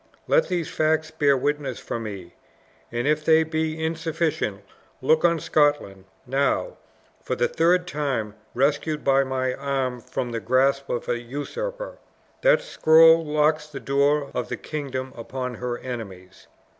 Let these facts bear witness for me; and, if they be insufficient, look on Scotland, now, for the third time, rescued by my arm from the grasp of a usurper! That scroll locks the door of the kingdom upon her enemies."